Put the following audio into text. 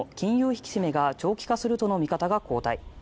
引き締めが長期化するとの見方が後退。